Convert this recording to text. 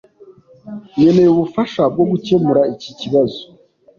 Nkeneye ubufasha bwo gukemura iki kibazo.